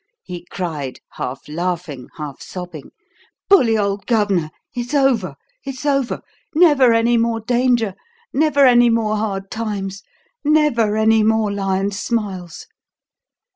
he cried, half laughing, half sobbing. "Bully old governor. It's over it's over. Never any more danger, never any more hard times, never any more lion's smiles."